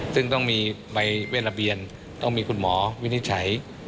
ซึ่งต้องมีใบเวทระเบียนต้องมีคุณหมอวินิจฉัย